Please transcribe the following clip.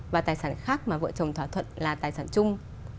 và tài sản khác mà vợ chồng thỏa thuận là tài sản chung